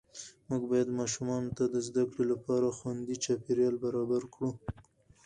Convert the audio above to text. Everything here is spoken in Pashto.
موږ باید ماشومانو ته د زده کړې لپاره خوندي چاپېریال برابر کړو